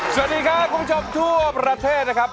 สวัสดีครับคุณผู้ชมทั่วประเทศนะครับ